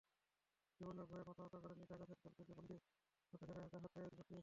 জীবনের ভয়ে মাথানত করেননি, ঢাকা সেন্ট্রাল জেলে বন্দী অবস্থায় ঘাতকের হাতে জীবন দিয়েছেন।